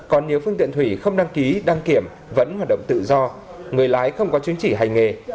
còn nếu phương tiện thủy không đăng ký đăng kiểm vẫn hoạt động tự do người lái không có chứng chỉ hành nghề